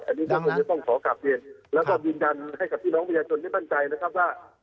อันนี้ก็คงจะต้องขอกลับเรียนแล้วก็ยืนยันให้กับพี่น้องประชาชนได้มั่นใจนะครับว่า